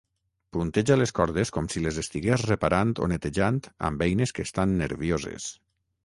Punteja les cordes com si les estigués reparant o netejant amb eines que estan nervioses.